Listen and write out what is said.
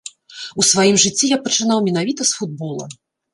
У сваім жыцці я пачынаў менавіта з футбола.